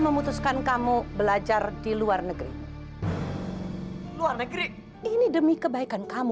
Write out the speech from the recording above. kamu sudah melanggar perintah